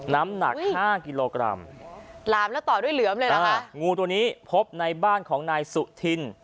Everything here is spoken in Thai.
น้ำหนักห้ากิโลกรัมหลามแล้วต่อด้วยเหลือมเลยล่ะค่ะงูตัวนี้พบในบ้านของนายสุธิน